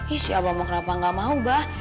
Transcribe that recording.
ih si abah mau kenapa nggak mau mbah